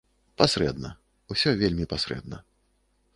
Пасрэдна, усё вельмі пасрэдна.